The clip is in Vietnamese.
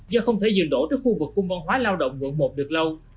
do không thể dừng đổ tới khu vực cung văn hóa lao động vượng một được lâu